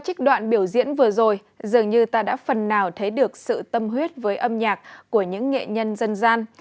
trích đoạn biểu diễn vừa rồi dường như ta đã phần nào thấy được sự tâm huyết với âm nhạc của những nghệ nhân dân gian